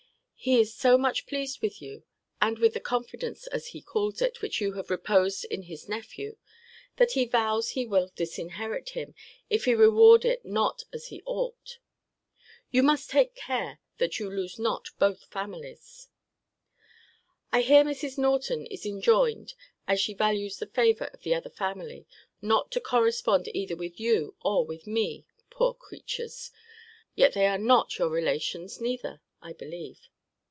he is so much pleased with you, and with the confidence, as he calls it, which you have reposed in his nephew, that he vows he will disinherit him, if he reward it not as he ought. You must take care, that you lose not both families. I hear Mrs. Norton is enjoined, as she values the favour of the other family, not to correspond either with you or with me Poor creatures! But they are your yet they are not your relations, neither, I believe.